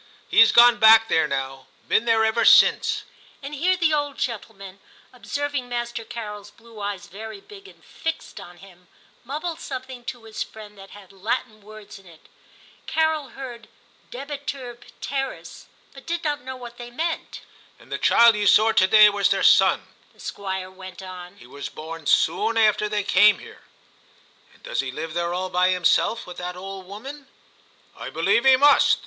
He's gone back there now; been there ever since, ...' and here the old gentleman, observing Master Carol's II TIM 31 blue eyes very big and fixed on him, mumbled something to his fi iend that had Latin words in it ; Carol heard debetur ptteris, but did not know what they meant. * And the child you saw to day was their son/ the Squire went on ;* he was born soon after they came here/ 'And does he live there all by himself, with that old woman ?*' I believe he must.